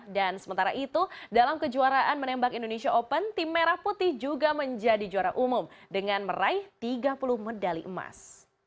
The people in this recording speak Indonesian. dan sementara itu dalam kejuaraan menembak indonesia open tim merah putih juga menjadi juara umum dengan meraih tiga puluh medali emas